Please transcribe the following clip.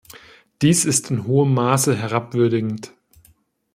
Dies ist in hohem Maße herabwürdigend.